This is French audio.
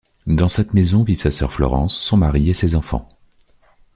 Dans cette maison vivent sa sœur Florence, son mari et ses enfants.